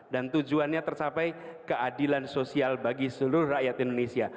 dan tujuannya tercapai keadilan sosial bagi seluruh rakyat indonesia